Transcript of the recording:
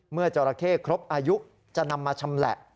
จราเข้ครบอายุจะนำมาชำแหละ